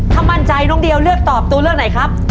ถ้ามั่นใจน้องเดียวเลือกตอบตัวเลือกไหนครับ